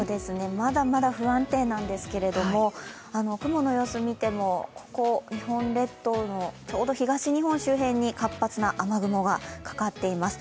まだまだ不安定なんですけれども、雲の様子を見てもここ、日本列島のちょうど東日本周辺に活発な雨雲がかかっています。